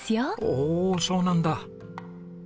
おおそうなんだ。